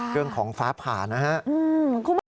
เรื่องของฟ้าผ่านนะครับ